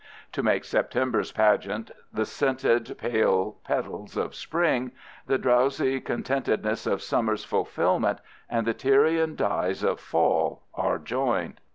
To make September's pageant the scented, pale petals of spring, the drowsy contentedness of summer's fulfillment and the Tyrian dyes of fall are joined.